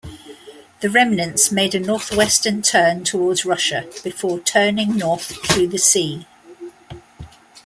The remnants made a northwestern turn towards Russia before turning north through the Sea.